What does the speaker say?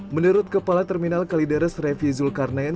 menurut kepala terminal kalideres revi zulkarnain